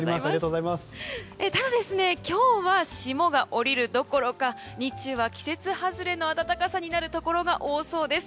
ただ、今日は霜が降りるどころか日中は季節外れの暖かさになるところが多そうです。